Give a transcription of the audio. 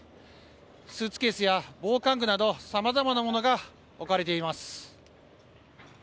スーツケースや防寒具などさまざまなものが置かれています。